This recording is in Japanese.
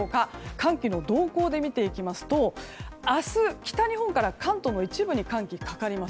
寒気の動向で見ていきますと明日、北日本から関東の一部に寒気がかかります。